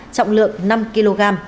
trọng lượng năm kg